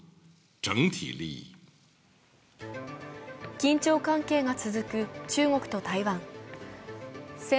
緊張関係が続く中国と台湾。